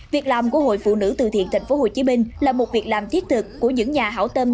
việc làm của hội phụ nữ từ thiện tp hcm là một việc làm thiết thực của những nhà hảo tâm